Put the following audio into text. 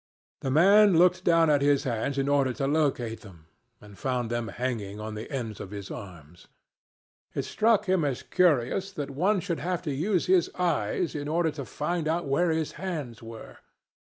The man looked down at his hands in order to locate them, and found them hanging on the ends of his arms. It struck him as curious that one should have to use his eyes in order to find out where his hands were.